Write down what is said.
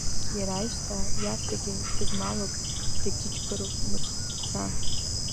Иара аҩсҭаа иаасҭагьы дгызмалуп, дагьыџьбароуп мыцхәӡа.